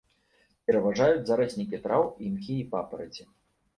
Пераважаюць зараснікі траў, імхі і папараці.